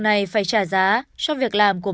này phải trả giá cho việc làm của